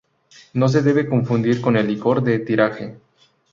No se debe confundir con el licor de tiraje.